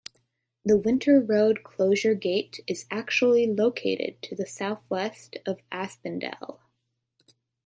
The winter road closure gate is actually located to the southwest of Aspendell.